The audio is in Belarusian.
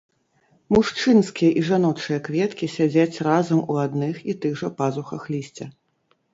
Мужчынскія і жаночыя кветкі сядзяць разам у адных і тых жа пазухах лісця.